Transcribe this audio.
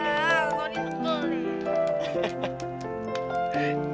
hah antonia tegol ya